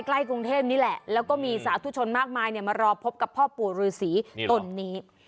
ใกล้กรุงเทพนี่แหละแล้วก็มีสาธุชนมากมายมารอพบกับพ่อปู่ฤษีตนนี้